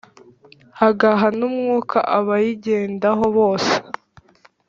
agaha n’umwuka abayigendaho bose.